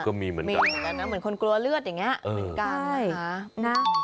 ก็มีเหมือนกันนะเหมือนคนกลัวเลือดอย่างนี้เหมือนกันนะคะ